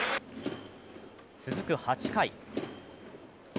続く８回。